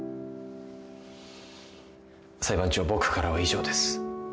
裁判長僕からは以上です。